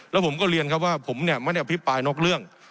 แล้วผมก็เรียนครับว่าผมเนี่ยไม่ได้อภิปรายนอกเรื่อง